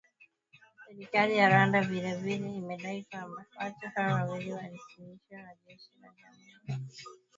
Serikali ya Rwanda vile vile imedai kwamba watu hao wawili walioasilishwa na jeshi la Jamuhuri ya Kidemokrasia ya Congo kwa waandishi wa habari